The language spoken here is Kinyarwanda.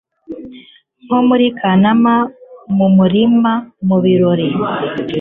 Nko muri Kanama mu murima mu birori